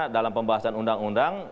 dalam pembahasan undang undang